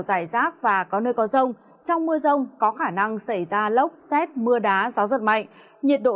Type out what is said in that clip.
giải rác và có nơi có rông trong mưa rông có khả năng xảy ra lốc xét mưa đá gió giật mạnh nhiệt độ